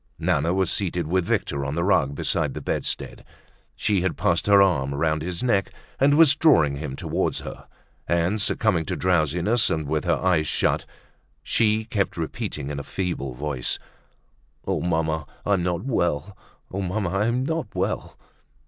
Nana was seated with Victor on the rug beside the bedstead, she had passed her arm round his neck and was drawing him towards her; and, succumbing to drowsiness and with her eyes shut, she kept repeating in a feeble voice: "Oh! Mamma, I'm not well; oh! mamma, I'm not well."